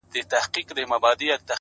اوس مي د زړه كورگى تياره غوندي دى ـ